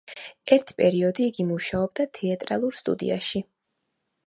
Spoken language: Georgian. ერთი პერიოდი იგი მუშაობდა თეატრალურ სტუდიაში.